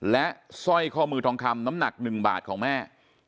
และสร้อยข้อมือทองคำน้ำหนัก๑บาทของแม่